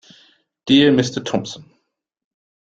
Dear Mr Thompson.